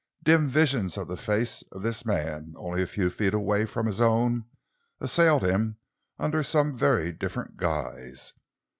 Dim visions of the face of this man, only a few feet away from his own, assailed him under some very different guise.